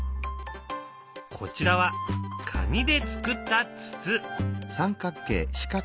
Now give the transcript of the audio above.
こちらは紙でつくった筒。